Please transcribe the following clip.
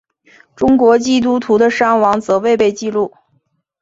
中国基督徒的伤亡则未被记录。